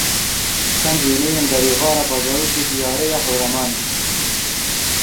Çend wêneyên berêvara bajarokê Biyareya Hewramanê.